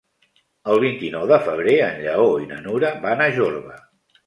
El vint-i-nou de febrer en Lleó i na Nura van a Jorba.